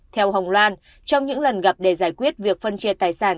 theo hồng loan trong những lần gặp để giải quyết việc phân chia tài sản